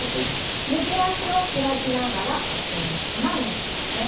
右足を開きながら構えの姿勢ですね。